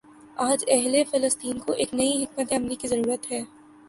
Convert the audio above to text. آج اہل فلسطین کو ایک نئی حکمت عملی کی ضرورت ہے۔